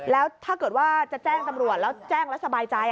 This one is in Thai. แล้วถ้าเกิดว่าจะแจ้งตำรวจแล้วแจ้งแล้วสบายใจ